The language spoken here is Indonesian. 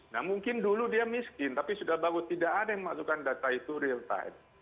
nah mungkin dulu dia miskin tapi sudah bagus tidak ada yang memasukkan data itu real time